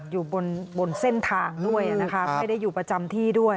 อยู่บนเส้นทางด้วยนะคะไม่ได้อยู่ประจำที่ด้วย